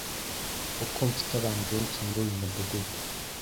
kuko mfite abantu benshi muri uyu mudugudu.”